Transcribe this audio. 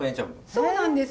そうなんです。